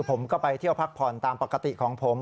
ผมก็ไปเที่ยวพักผ่อนตามปกติของผม